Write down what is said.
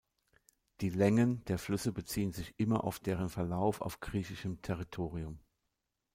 Die Längen der Flüsse beziehen sich immer auf deren Verlauf auf griechischem Territorium.